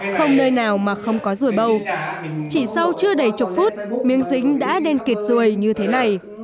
không nơi nào mà không có rùi bầu chỉ sau chưa đầy chục phút miếng dính đã đen kịt rùi như thế này